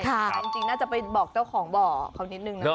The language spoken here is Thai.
แต่จริงน่าจะไปบอกเจ้าของบ่อเขานิดนึงนะ